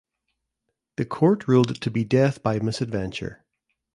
The court ruled it to be death by misadventure.